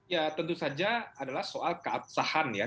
ya tentu saja adalah soal keabsahan ya